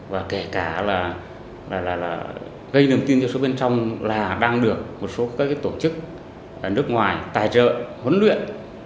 và kể cả là gây niềm tin cho số bên trong là đang được một số các tổ chức nước ngoài tài trợ huấn luyện